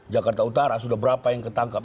jakarta utara sudah berapa yang ketangkap